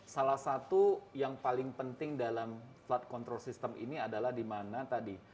salah satu yang paling penting dalam flood control system ini adalah di mana tadi